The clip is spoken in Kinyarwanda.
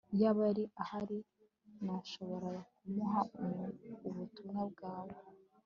Iyaba yari ahari nashoboraga kumuha ubutumwa bwawe